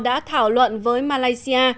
đã thảo luận với malaysia